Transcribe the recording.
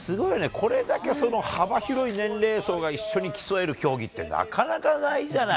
これだけ幅広い年齢層が一緒に競える競技ってなかなかないじゃない。